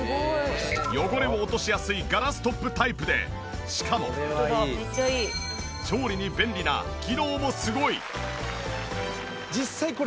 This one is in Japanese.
汚れを落としやすいガラストップタイプでしかも調理に便利な機能もすごい！